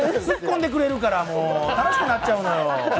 ツッコんでくれるから、もう楽しくなっちゃうのよ。